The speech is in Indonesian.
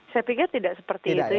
saya pikir tidak seperti itu ya